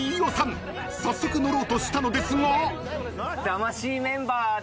［早速乗ろうとしたのですが］